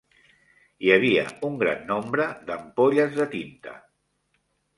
Hi havia un gran nombre d'ampolles de tinta.